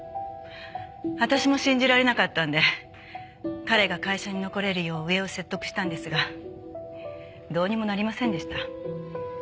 私も信じられなかったので彼が会社に残れるよう上を説得したんですがどうにもなりませんでした。